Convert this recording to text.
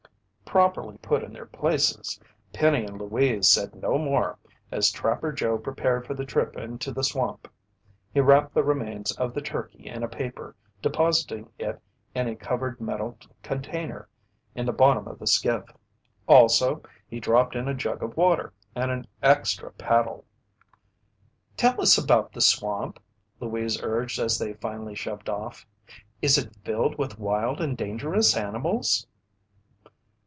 Properly put in their places, Penny and Louise said no more as Trapper Joe prepared for the trip into the swamp. He wrapped the remains of the turkey in a paper, depositing it in a covered metal container in the bottom of the skiff. Also, he dropped in a jug of water and an extra paddle. "Tell us about the swamp," Louise urged as they finally shoved off. "Is it filled with wild and dangerous animals?"